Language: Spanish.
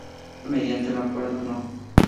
Mediante el acuerdo No.